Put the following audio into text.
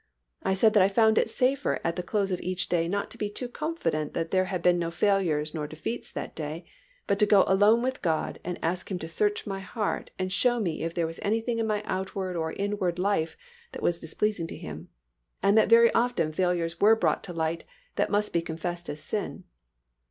I said that I found it safer at the close of each day not to be too confident that there had been no failures nor defeats that day but to go alone with God and ask Him to search my heart and show me if there was anything in my outward or inward life that was displeasing to Him, and that very often failures were brought to light that must be confessed as sin.